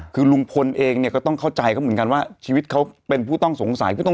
คือลุงพลเองเนี่ยก็ต้องเข้าใจเขาเหมือนกันว่าชีวิตเขาเป็นผู้ต้องสงสัย